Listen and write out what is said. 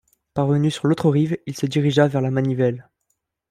Parvenu sur l'autre rive, il se dirigea vers la manivelle.